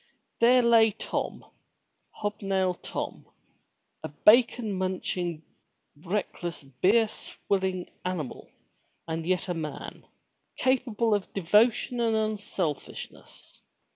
There lay Tom, hobnail Tom! a bacon munching, reckless, beer swilling animal and yet a man, capable of devotion and unselfishness.